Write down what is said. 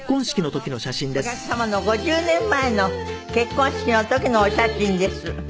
こちらは今日のお客様の５０年前の結婚式の時のお写真です。